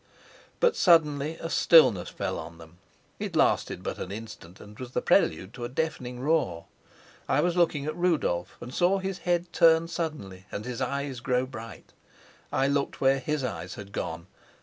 But suddenly a stillness fell on them; it lasted but an instant, and was the prelude to a deafening roar. I was looking at Rudolf and saw his head turn suddenly and his eyes grow bright. I looked where his eyes had gone.